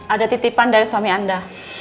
ada titipan dari suami anda